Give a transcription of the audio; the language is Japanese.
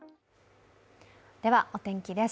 ではお天気です。